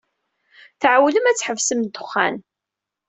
Tɛewwlem ad tḥebsem ddexxan.